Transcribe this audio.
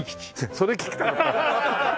それ聞きたかった。